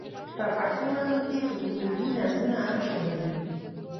په پښتو نظم کې فوکلوري نظمونه هم شامل دي.